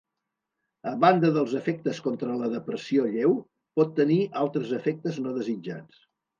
A banda dels efectes contra la depressió lleu, pot tenir altres efectes no desitjats.